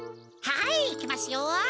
はいいきますよ！